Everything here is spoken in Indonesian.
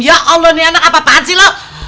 ya allah ini anak apaan sih lo